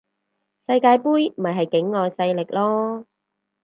世界盃咪係境外勢力囉